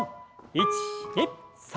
１２３！